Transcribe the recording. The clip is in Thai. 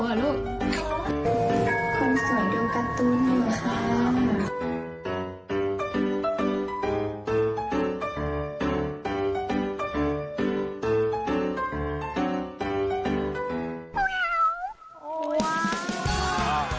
คุณสวยดูการ์ตูน่ะครับ